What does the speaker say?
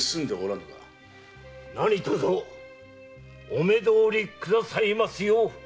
何とぞお目通りくださいますよう。